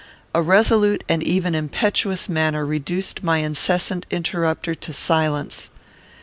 A resolute and even impetuous manner reduced my incessant interrupter to silence.